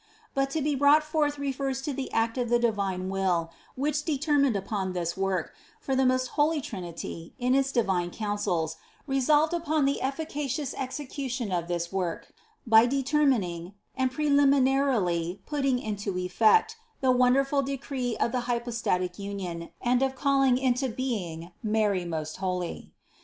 But to be brought forth refers to the act of the divine Will, which de termined upon this work, for the most holy Trinity, in its divine councils, resolved upon the efficacious execution of this work by determining, and preliminarily putting into effect, the wonderful decree of the hypostatic union and of calling into being Mary most holy.